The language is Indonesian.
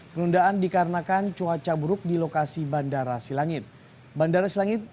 penundaan dikarenakan cuaca buruk di lokasi bandara silangit